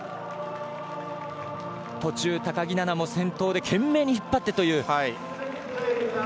途中高木菜那も先頭で懸命に引っ張ってという。